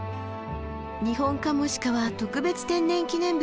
ニホンカモシカは特別天然記念物。